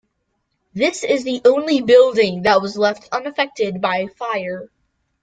This is the only building that was left unaffected by fire.